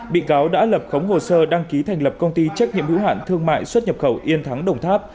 bị cáo đã lập khống hồ sơ đăng ký thành lập công ty trách nhiệm hữu hạn thương mại xuất nhập khẩu yên thắng đồng tháp